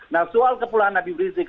nah soal kepulauan abib rizik